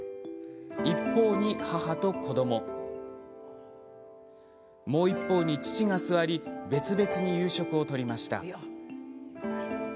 一方に母と子どももう一方に父が座り別々に夕食をとりました。